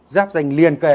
giáp danh liền kề